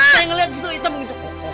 kayak ngeliat gitu hitam gitu